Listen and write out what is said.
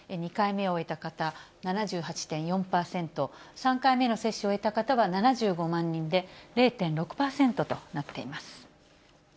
２回目を終えた方、７８．４％、３回目の接種を終えた方は７５万人で、０．６％となっています。